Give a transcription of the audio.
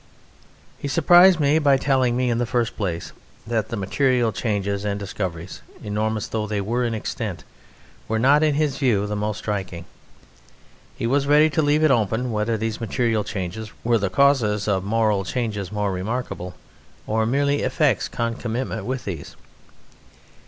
He surprised me by telling me, in the first place, that the material changes and discoveries, enormous though they were in extent, were not, in his view, the most striking. He was ready to leave it open whether these material changes were the causes of moral changes more remarkable, or merely effects concomitant with these.